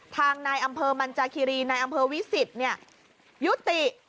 ทางนายอำเภอมันจาคิรีนายอำเภอวิสิตยุติ